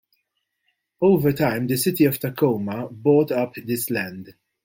Over time the city of Tacoma bought up this land.